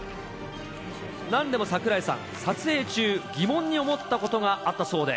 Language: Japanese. なんでも櫻井さん、撮影中、疑問に思ったことがあったそうで。